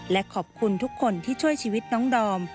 และขอบคุณทุกคนที่ช่วยชีวิตน้องดอม